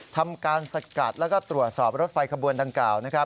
ทำการสกัดแล้วก็ตรวจสอบรถไฟขบวนดังกล่าว